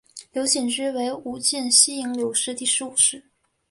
刘谨之为武进西营刘氏第十五世。